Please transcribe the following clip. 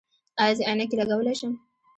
ایا زه عینکې لګولی شم؟